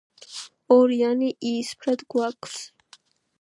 ორიანი იისფრად გვაქვს.